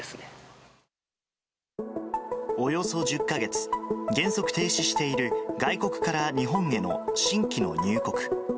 およそ１０か月、原則停止している外国から日本への新規の入国。